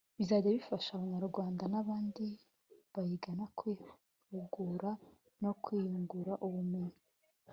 bizajya bifasha Abanyarwanda n’abandi bayigana kwihugura no kwiyungura ubumenyi